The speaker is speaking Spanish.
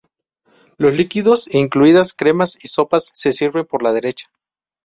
Los líquidos, incluidas cremas y sopas, se sirven por la derecha.